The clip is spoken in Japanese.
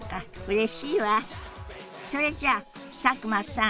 それじゃ佐久間さん。